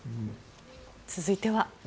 続いては。